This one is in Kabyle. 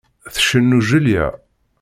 Tcennu Julia.